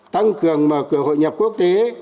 tăng cường mở cửa hội nhập quốc tế